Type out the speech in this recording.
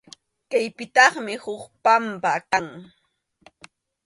Kaypitaqmi huk pampa kan.